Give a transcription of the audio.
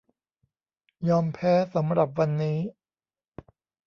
ยอมแพ้สำหรับวันนี้